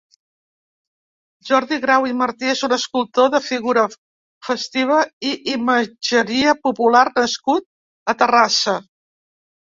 Jordi Grau i Martí és un escultor de figura festiva i imatgeria popular nascut a Terrassa.